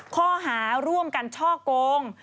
ข้อหาร่วมกันช่อกง